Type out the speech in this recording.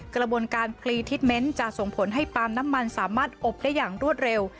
กระบวนการพลีทิศเมนต์จะส่งผลให้ปาล์มน้ำมันสามารถอบได้อย่างรวดเร็ว